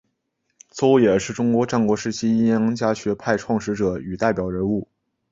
邹衍是中国战国时期阴阳家学派创始者与代表人物。